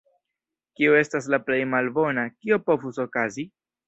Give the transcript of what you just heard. Kio estas la plej malbona, kio povus okazi?